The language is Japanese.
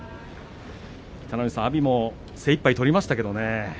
北の富士さん、阿炎も精いっぱい取りましたけどね。